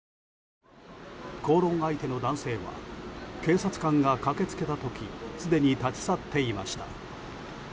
口論相手の男性は警察官が駆け付けた時すでに立ち去っていました。